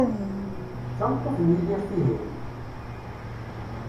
D tameṭṭut n Yidir, tihin?